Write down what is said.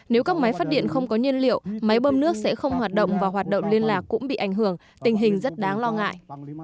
nếu các máy phát điện không có nhiên liệu máy bơm nước sẽ không hoạt động và hoạt động liên lạc cũng bị ảnh hưởng tình hình rất đáng lo ngại